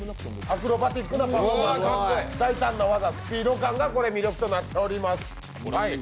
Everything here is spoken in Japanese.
アクロバティックなパフォーマンス、大胆な技スピード感が魅力となっております。